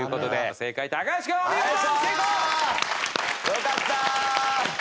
よかった！